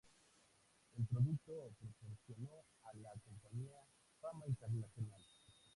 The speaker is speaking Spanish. El producto proporcionó a la compañía fama internacional.